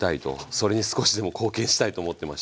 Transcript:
それに少しでも貢献したいと思ってまして。